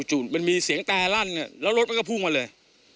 มันมีเสียงแตรลั่นแล้วรถมันก็พุ่งมาเลย